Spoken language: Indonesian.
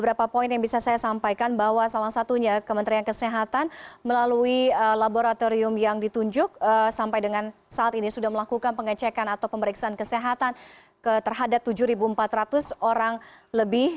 bahwa salah satunya kementerian kesehatan melalui laboratorium yang ditunjuk sampai dengan saat ini sudah melakukan pengecekan atau pemeriksaan kesehatan terhadap tujuh empat ratus orang lebih